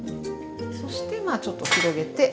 そしてまあちょっと広げて。